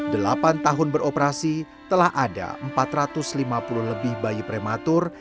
delapan tahun beroperasi telah ada empat ratus lima puluh lebih bayi prematur